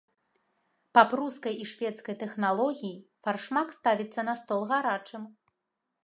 Па прускай і шведскай тэхналогіі фаршмак ставіцца на стол гарачым.